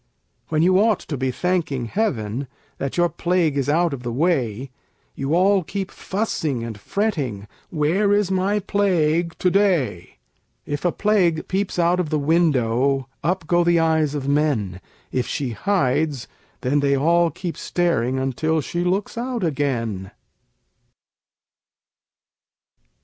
When you ought to be thanking heaven That your Plague is out of the way, You all keep fussing and fretting "Where is my Plague to day?" If a Plague peeps out of the window, Up go the eyes of men; If she hides, then they all keep staring Until she looks out again.